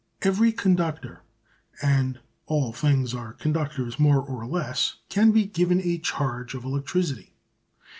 Every conductor (and all things are conductors, more or less) can be given a charge of electricity.